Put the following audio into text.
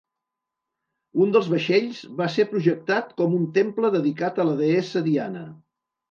Un dels vaixells va ésser projectat com a un temple dedicat a la deessa Diana.